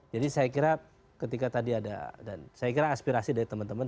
jadi saya kira ketika tadi ada dan saya kira aspirasi dari teman teman